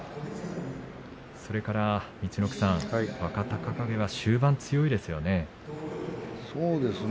それから陸奥さん若隆景は終盤、強いですよね。